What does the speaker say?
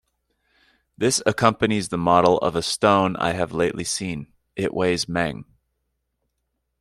This accompanies the model of a Stone I have lately seene; it weighs Mang.